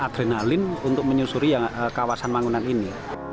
adrenalin untuk menyusuri kawasan mangunan ini